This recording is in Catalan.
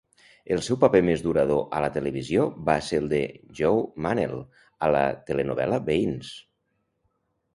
El seu paper més durador a la televisió va ser el de Joe Manel a la telenovel·la Veïns.